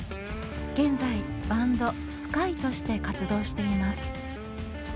現在バンド「ＳＫＹＥ」として活動しています。